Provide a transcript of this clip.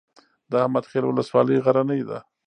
د احمد خیل ولسوالۍ غرنۍ ده